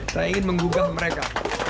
saya ingin menggugah mereka